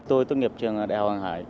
tôi tốt nghiệp trường đại học hàng hải